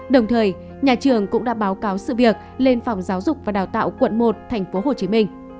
đồng thời nhà trường cũng đã báo cáo sự việc lên phòng giáo dục và đào tạo quận một tp hcm